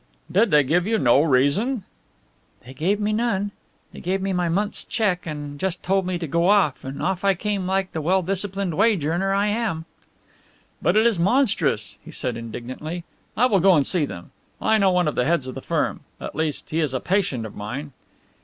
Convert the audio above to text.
"Did they give you no reason?" "They gave me none. They gave me my month's cheque and just told me to go off, and off I came like the well disciplined wage earner I am." "But it is monstrous," he said indignantly. "I will go and see them. I know one of the heads of the firm at least, he is a patient of mine."